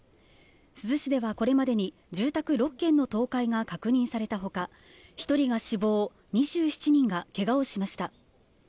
珠洲市ではこれまでに住宅６軒の倒壊が確認された他、１人が死亡、２７人がけがをしました。